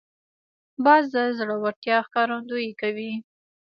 باز د زړورتیا ښکارندویي کوي